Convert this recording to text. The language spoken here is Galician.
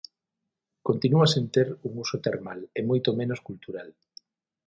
Continúa sen ter un uso termal e moito menos cultural.